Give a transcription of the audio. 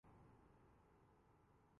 انھیں لوگوں کو کھلانا اتنا پسند ہے